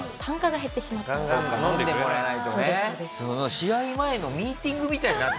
試合前のミーティングみたいになって。